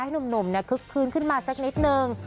ให้หนูมเนี่ยคึกคืนขึ้นมาจากนิดหนึ่ง